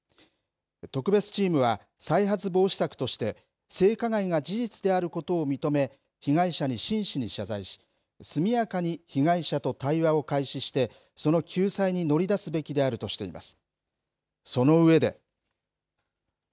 特別チームは、再発防止策として、性加害が事実であることを認め、被害者に真摯に謝罪し、速やかに被害者と対話を開始して、その救済に乗り出すべきであるとしています。